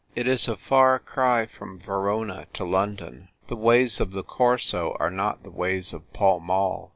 It is a far cry from Verona to London. The ways of the Corso are not the ways of Pall Mall.